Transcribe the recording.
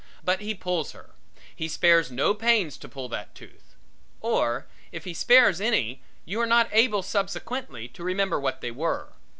But he pulls her. He spares no pains to pull that tooth. Or if he spares any you are not able subsequently to remember what they were.